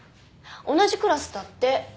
同じクラスだって。